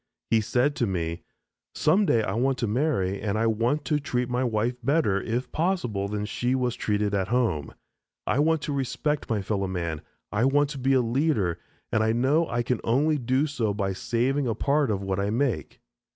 He said to me, "some day I want to marry and I want to treat my wife better, if possible, than she was treated at home. I want to respect my fellow man, I want to be a leader, and I know I can only do so by saving a part of what I make."